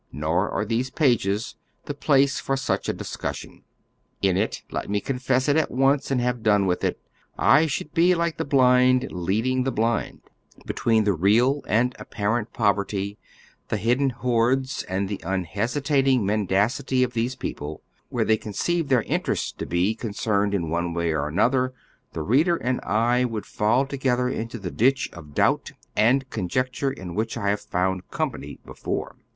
Nor ai e these pages the place for such a discussion. In it, let me confess it at once and have done with it, I should be like the blind leading the blind ; between the real and apparent poverty, the hidden hoards and the unhesitating mendacity of these people, where they conceive their interests to be concerned in one way or another, the reader and I would fall together into the ditch of doubt and conjecture in which I have found company before.